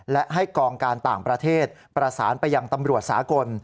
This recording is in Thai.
และให้กองการต่างประเทศประสานไปยังตำรวจสากล